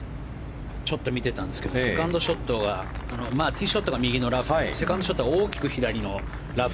ちょっと見てたんですけどセカンドショットがティーショットが右のラフでセカンドショットが大きく左のラフ。